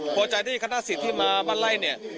พอใจที่คณะสิทธิ์ที่มาบ้านไล่เนี่ย